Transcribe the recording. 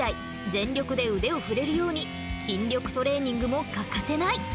全力で腕を振れるように筋力トレーニングも欠かせない。